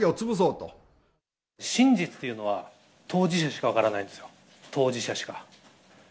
真実というのは、当事者しか分からないですよ、当事者しか。